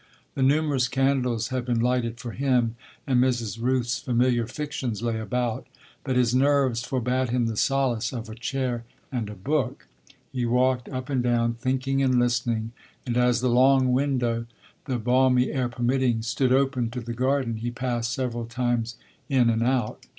The numerous candles had been lighted for him, and Mrs. Rooth's familiar fictions lay about; but his nerves forbade him the solace of a chair and a book. He walked up and down, thinking and listening, and as the long window, the balmy air permitting, stood open to the garden, he passed several times in and out.